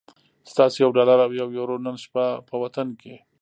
ستاسو یو ډالر او یوه یورو نن شپه په وطن کی